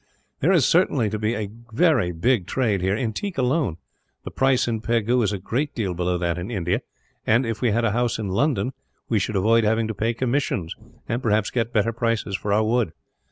"There is certain to be a very big trade here, in teak alone. The price in Pegu is a great deal below that in India and, if we had a house in London, we should avoid having to pay commissions, and perhaps get better prices for our wood.